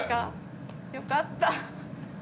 よかったフ